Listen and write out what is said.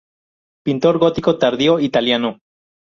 Pintor gótico tardío italiano.